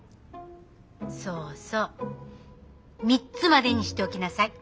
そうそう３つまでにしておきなさい。